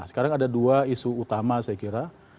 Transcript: sekarang ada dua isu utama saya kira